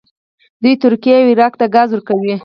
دوی ترکیې او عراق ته ګاز ورکوي.